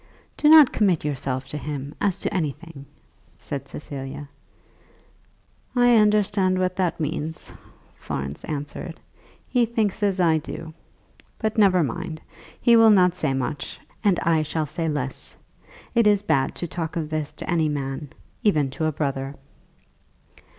"Do not commit yourself to him, as to anything," said Cecilia. "I understand what that means," Florence answered. "He thinks as I do. But never mind. He will not say much, and I shall say less. It is bad to talk of this to any man, even to a brother."